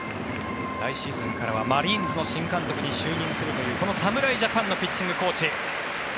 来シーズンからはマリーンズの新監督に就任するというこの侍ジャパンのピッチングコーチ。